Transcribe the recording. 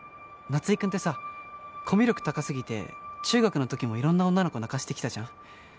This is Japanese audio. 夏井くんってさコミュ力高すぎて中学の時もいろんな女の子泣かせてきたじゃん？